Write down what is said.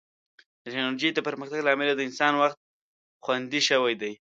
د ټیکنالوژۍ د پرمختګ له امله د انسان وخت خوندي شوی دی.